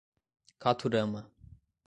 Caturama